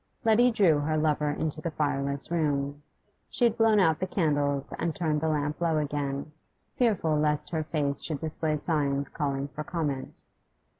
Letty drew her lover into the fireless room; she had blown out the candles and turned the lamp low again, fearful lest her face should display signs calling for comment.